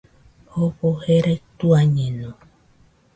Jofo jerai tuañeno